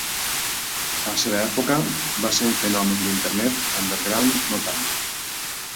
A la seva època va ser un fenomen d'Internet "underground" notable.